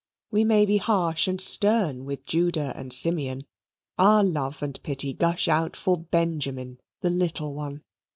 We may be harsh and stern with Judah and Simeon our love and pity gush out for Benjamin, the little one.